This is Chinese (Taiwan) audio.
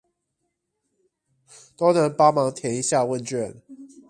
都能幫忙填一下問卷